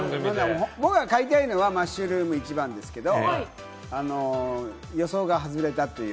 僕が買いたいのはマッシュルームイチバンですけれども、予想が外れたっていう。